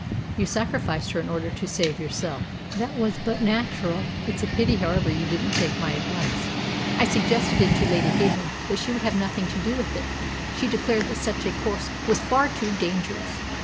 "You sacrificed her in order to save yourself. That was but natural. It's a pity, however, you didn't take my advice." "I suggested it to Lady Heyburn. But she would have nothing to do with it. She declared that such a course was far too dangerous."